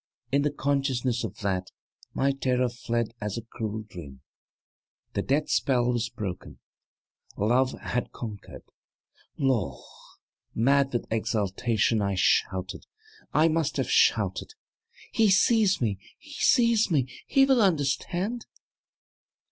In the consciousness of that, my terror fled as a cruel dream. The death spell was broken: Love had conquered Law! Mad with exultation I shouted I must have shouted,' He sees, he sees: he will understand!'